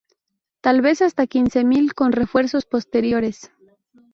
Tal vez hasta quince mil con refuerzos posteriores.